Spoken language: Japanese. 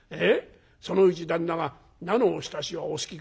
そのうち旦那が『菜のおひたしはお好きか？』